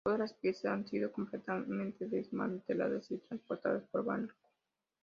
Todas las piezas han sido completamente desmanteladas y transportadas por barco.